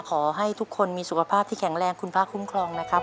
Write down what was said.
ขอให้ทุกคนมีสุขภาพที่แข็งแรงคุณพระคุ้มครองนะครับ